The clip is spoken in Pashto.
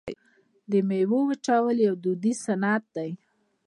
د میوو وچول یو دودیز صنعت دی.